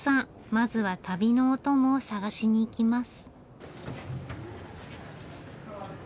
まずは旅のお供を探しにいきます。